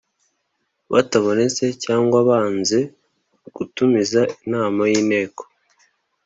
batabonetse cyangwa banze gutumiza inama y’ inteko